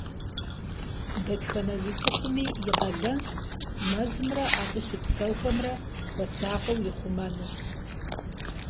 Дэтхэнэ зы цӀыхуми и къалэнщ мэзымрэ абы щыпсэухэмрэ хуэсакъыу ихъумэну.